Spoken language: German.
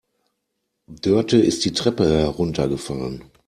Dörte ist die Treppe heruntergefallen.